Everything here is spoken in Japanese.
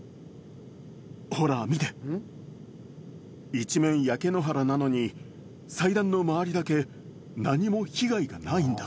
一面焼け野原なのに祭壇の周りだけ何も被害がないんだ。